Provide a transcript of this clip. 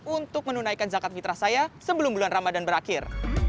untuk menunaikan zakat fitrah saya sebelum bulan ramadan berakhir